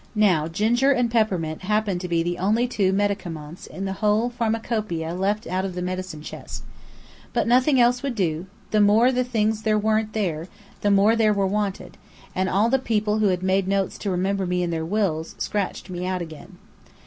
Now, ginger and peppermint happened to be the only two medicaments in the whole pharmacopoeia left out of the medicine chest. But nothing else would do. The more the things weren't there, the more they were wanted; and all the people who had made notes to remember me in their wills, scratched me out again.